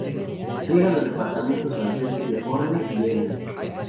Riega los departamentos franceses de Orne y Eure.